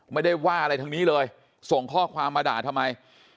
ไม่ได้ว่าอะไรทั้งนี้เลยส่งข้อความมาด่าทำไม